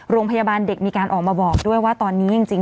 โรงพยาบาลเด็กมีการออกมาบอกด้วยว่าตอนนี้จริง